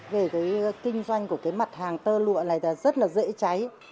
về kinh doanh của mặt hàng tơ lụa này là rất dễ cháy